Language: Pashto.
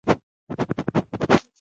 ما ورته وویل چې د دوی عاقبت به څه وي